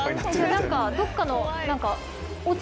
何かどっかの何か。